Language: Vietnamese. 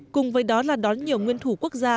cùng với đó là đón nhiều nguyên thủ quốc gia